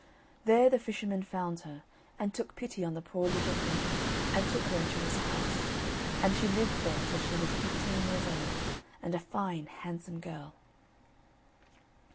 There the fisherman found her, and took pity on the poor little thing and took her into his house, and she lived there till she was fifteen years old, and a fine handsome girl.